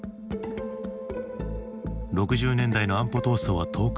６０年代の安保闘争は遠く